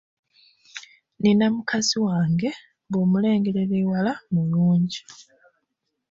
Nnina mukazi wange; bw'omulengerera ewala mulungi.